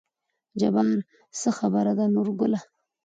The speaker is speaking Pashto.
جبار : څه خبره ده نورګله